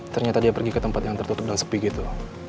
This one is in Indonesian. ternyata dia pergi ke tempat yang tertutup dan sepi gitu